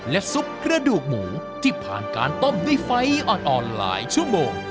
และซุปกระดูกหมูที่ผ่านการต้มด้วยไฟอ่อนหลายชั่วโมง